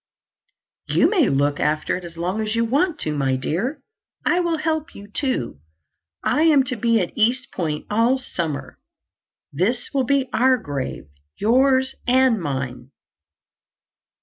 "You may look after it as long as you want to, my dear. I will help you, too. I am to be at East Point all summer. This will be our grave—yours and mine."